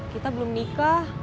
kita belum nikah